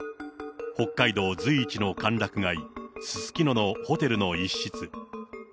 北海道随一の歓楽街、すすきののホテルの一室。